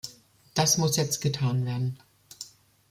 Das muss jetzt getan werden.